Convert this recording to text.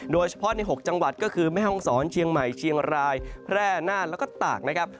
โดยเฉพาะใน๖จังหวัดก็คือแม่ห้องศรเชียงใหม่เชียงรายแพร่น่านแล้วก็ตากนะครับ